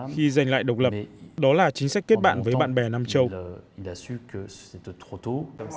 khi giành lại độc lập đó là chính sách kết bạn với bạn bè nam châu